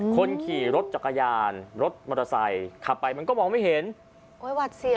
คนขี่รถจักรยานรถมอเตอร์ไซค์ขับไปมันก็มองไม่เห็นโอ้ยหวัดเสีย